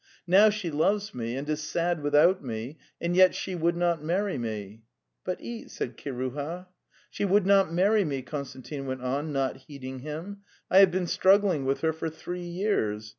" Now she loves me and is sad without me, and yet she would not marry me." '* But eat," said Kiruha. 'She would not marry me," Konstantin went on, not heeding him. '' I have been struggling with her for three years!